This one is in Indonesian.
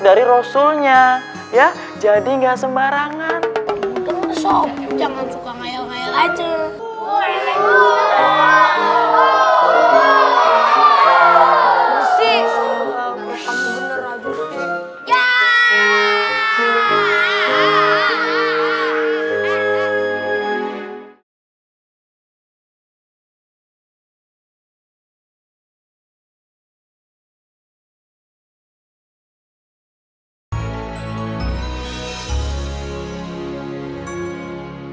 dari rasulnya ya jadi enggak sembarangan kemudian sobat jangan suka mahal mahal aja